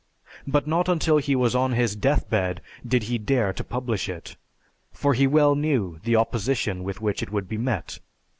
But not until he was on his deathbed did he dare to publish it, for he well knew the opposition with which it would be met.